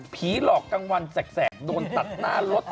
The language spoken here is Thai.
ผีหลอกกังวลแสกโดนตัดหน้ารถ